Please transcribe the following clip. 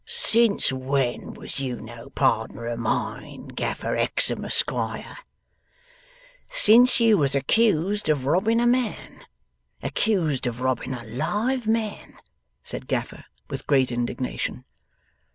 'Since when was you no pardner of mine, Gaffer Hexam Esquire?' 'Since you was accused of robbing a man. Accused of robbing a live man!' said Gaffer, with great indignation.